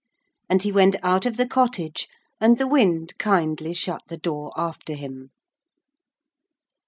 And he went out of the cottage and the wind kindly shut the door after him.